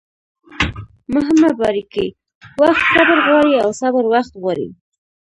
مهمه باریکي: وخت صبر غواړي او صبر وخت غواړي